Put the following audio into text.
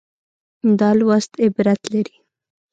دا لوست عبرت لري.